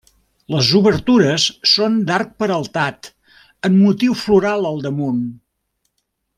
Les obertures són d'arc peraltat, amb motiu floral al damunt.